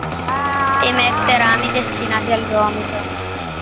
Emette rami destinati al gomito.